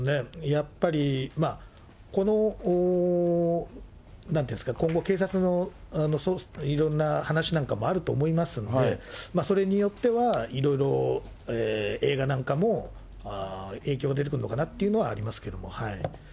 やっぱりこの、なんていうんですか、今後、警察のいろんな話なんかもあると思いますので、それによってはいろいろ映画なんかも影響出てくるのかなっていうのはありますけれども。